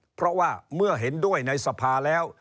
เพราะว่าเมื่อเห็นด้วยในสภาแล้ว